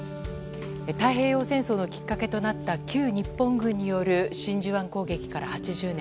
太平洋戦争のきっかけとなった旧日本軍による真珠湾攻撃から８０年。